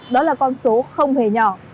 đó là con số không hề nhỏ